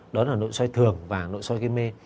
đó là nội soi thường và nội soi gây mê